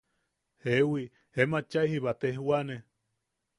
–Jeewi, em achai jiba tejwane.